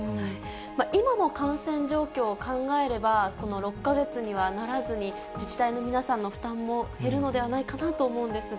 今の感染状況を考えれば、この６か月にはならずに、自治体の皆さんの負担も減るのではないかなと思うんですが。